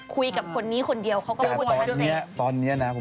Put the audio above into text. คุยกับคนนี้คนเดียวเขาก็บึงถ่านเจ็บ